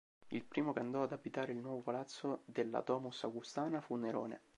Il primo che andò ad abitare il nuovo palazzo della "Domus Augustana" fu Nerone.